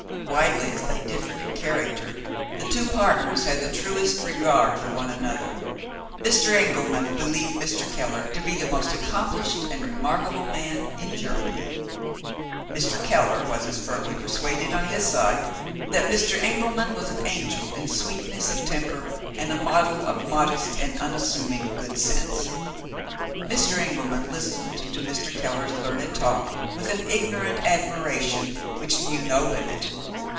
Widely as they differed in character, the two partners had the truest regard for one another. Mr. Engelman believed Mr. Keller to be the most accomplished and remarkable man in Germany. Mr. Keller was as firmly persuaded, on his side, that Mr. Engelman was an angel in sweetness of temper, and a model of modest and unassuming good sense. Mr. Engelman listened to Mr. Keller's learned talk with an ignorant admiration which knew no limit.